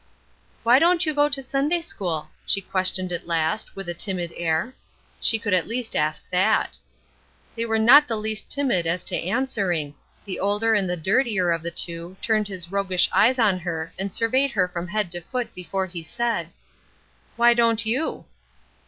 "Why don't you go to Sunday school?" she questioned at last, with a timid air. She could at least ask that. They were not the least timid as to answering; the older and the dirtier of the two turned his roguish eyes on her and surveyed her from head to foot before he said: "Why don't you?"